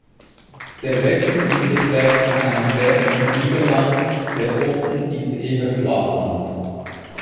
Der Westen ist geprägt von einem Berg- und Hügelland, der Osten ist eher Flachland.